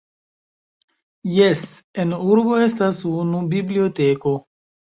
Jes, en urbo estas unu biblioteko.